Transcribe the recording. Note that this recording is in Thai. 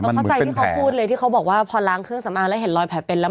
เข้าใจที่เขาพูดเลยที่เขาบอกว่าพอล้างเครื่องสำอางแล้วเห็นรอยแผลเป็นแล้ว